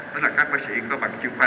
đó là các bác sĩ có bằng chuyên khoa